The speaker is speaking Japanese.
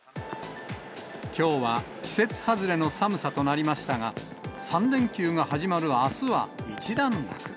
きょうは季節外れの寒さとなりましたが、３連休が始まるあすは、一段落。